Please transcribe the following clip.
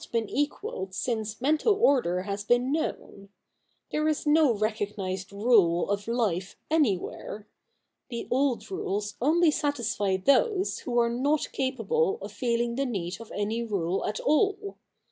i been equalled since mental order has been known. There is no recognised rule of life anywhere. The old rules only satisfy those v;ho are not capable of feeling the need of any rule at all.